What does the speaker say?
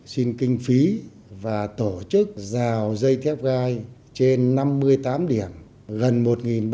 xin kinh phí và tổ chức rào dây thép gai trên năm mươi tám điểm gần một ba trăm